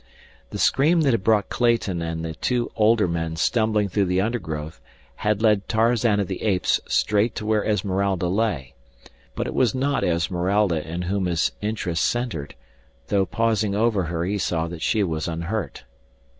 The scream that had brought Clayton and the two older men stumbling through the undergrowth had led Tarzan of the Apes straight to where Esmeralda lay, but it was not Esmeralda in whom his interest centered, though pausing over her he saw that she was unhurt.